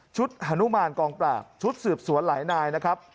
ฮานุมานกองปราบชุดสืบสวนหลายนายนะครับ